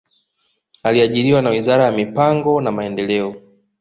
Aliajiriwa na wizara ya mipango na maendeleo